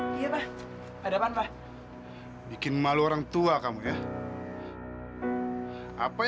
sampai jumpa di video selanjutnya